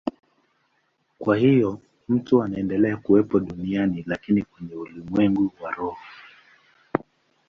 Kwa hiyo mtu anaendelea kuwepo duniani, lakini kwenye ulimwengu wa roho.